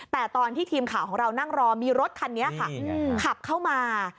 แต่ตอนที่ทีมข่าวของเรานั่งรอมีรถคันนี้ค่ะขับเข้ามา